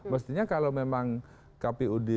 mestinya kalau memang kpud